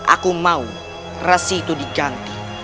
aku mau rasi itu diganti